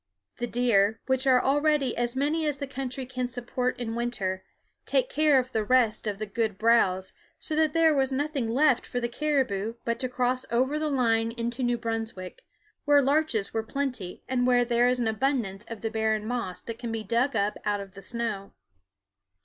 The deer, which are already as many as the country can support in winter, take care of the rest of the good browse, so that there was nothing left for the caribou but to cross over the line into New Brunswick, where larches are plenty and where there is an abundance of the barren moss that can be dug up out of the snow.